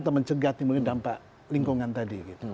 atau mencegah timbulnya dampak lingkungan tadi